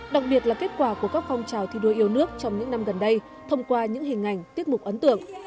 đặc biệt là kết quả của các phong trào thi đua yêu nước trong những năm gần đây thông qua những hình ảnh tiết mục ấn tượng